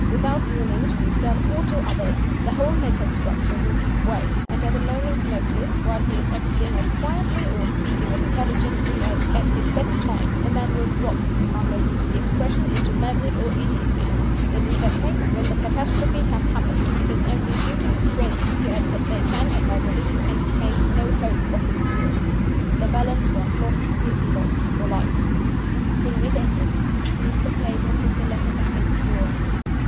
Without warning to himself or to others, the whole mental structure will give way; and, at a moment's notice, while he is acting as quietly or speaking as intelligently as at his best time, the man will drop (if I may use the expression) into madness or idiocy. In either case, when the catastrophe has happened, it is only due to his friends to add that they can (as I believe) entertain no hope of his cure. The balance once lost, will be lost for life." There it ended. Mr. Playmore put the letter back in his drawer.